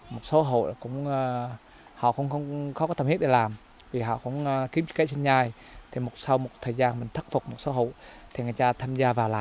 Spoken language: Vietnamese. một số hộ họ cũng không có thầm hiếp để làm vì họ cũng kiếm cái sinh nhai thì sau một thời gian mình thất phục một số hộ thì người ta tham gia vào làm